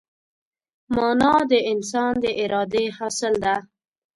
مانا د انسان د ارادې حاصل ده.